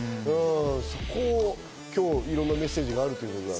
そこを今日、いろんなメッセージがあるということだから。